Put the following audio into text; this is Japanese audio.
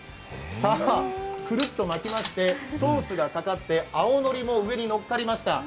さあ、くるっと巻きまして、ソースがかかって、青のりも上にのっかりました。